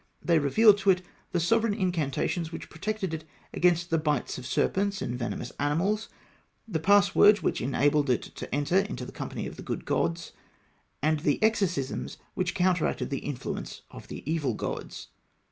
They revealed to it the sovereign incantations which protected it against the bites of serpents and venomous animals, the passwords which enabled it to enter into the company of the good gods, and the exorcisms which counteracted the influence of the evil gods.